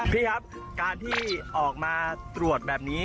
พี่ครับการที่ออกมาตรวจแบบนี้